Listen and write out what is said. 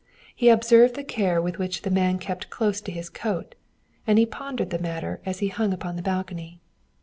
He observed the care with which the man kept close to his coat, and he pondered the matter as he hung upon the balcony.